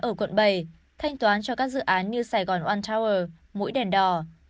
ở quận bảy thanh toán cho các dự án như sài gòn oan tower mũi đèn đỏ